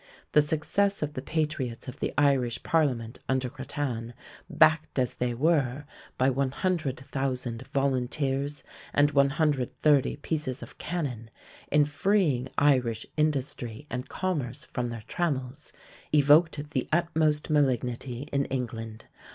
The success of the patriots of the Irish parliament under Grattan, backed as they were by 100,000 volunteers and 130 pieces of cannon, in freeing Irish industry and commerce from their trammels, evoked the utmost malignity in England.